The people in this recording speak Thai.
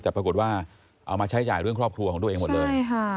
แต่ปรากฏว่าเอามาใช้จ่ายเรื่องครอบครัวของตัวเองหมดเลย